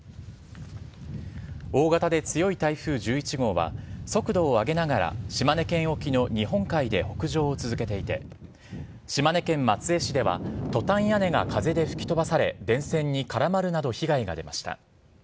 大型で強い台風１１号は、速度を上げながら、島根県沖の日本海で北上を続けていて、島根県松江市では、トタン屋根が風で吹き飛ばされ、電線に絡まるなど被害が出ました。